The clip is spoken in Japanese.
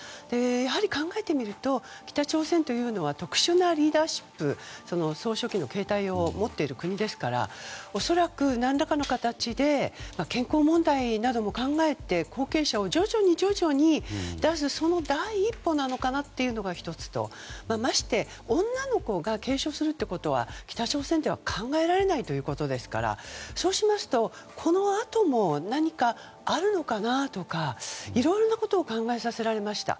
やはり考えてみると北朝鮮というのは特殊なリーダーシップ総書記の形態を持っている国ですから恐らく、何らかの形で健康問題なども考えて後継者を徐々に徐々に出すその第一歩なのかなというのが１つとまして、女の子が継承するということは北朝鮮では考えられないということですからそうしますと、このあとも何かあるのかなとかいろいろなことを考えさせられました。